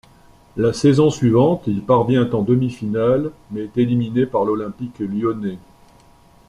La saison suivante, il parvient en demi-finale, mais est éliminé par l'Olympique lyonnais.